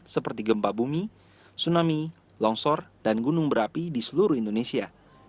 seperti gempa bumi tsunami longsor dan gunung berapi di seluruh indonesia